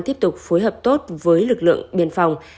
tiếp tục phối hợp tốt với lực lượng biên phòng